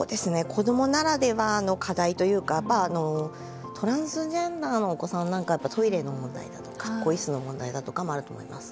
子どもならではの課題というかやっぱトランスジェンダーのお子さんなんかはトイレの問題だとか更衣室の問題だとかもあると思います。